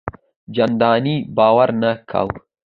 چنداني باور نه کاوه.